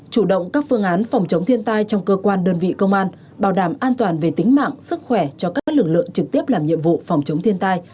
chủ động các phương án phòng chống thiên tai trong cơ quan đơn vị công an bảo đảm an toàn về tính mạng sức khỏe cho các lực lượng trực tiếp làm nhiệm vụ phòng chống thiên tai